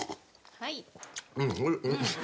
はい。